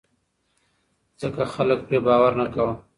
ځکه خلک پرې باور نه کاوه.